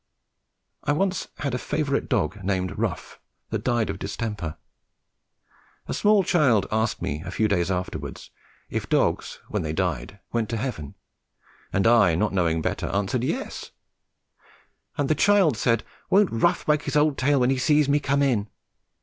I once had a favourite dog named "Rough" that died of distemper. A small child asked me a few days afterwards if dogs when they died went to heaven, and I, not knowing better, answered, "Yes"; and the child said, "Won't Rough wag his old tail when he sees me come in?"